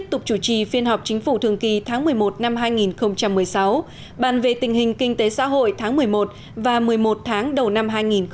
bàn về tình hình kinh tế xã hội tháng một mươi một và một mươi một tháng đầu năm hai nghìn một mươi sáu